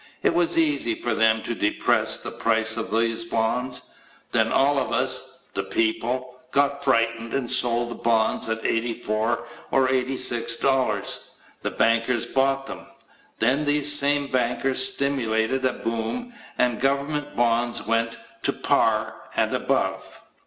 It was easy for them to depress the price of these bonds. Then all of us the people got frightened and sold the bonds at $84 or $86. The bankers bought them. Then these same bankers stimulated a boom and government bonds went to par and above.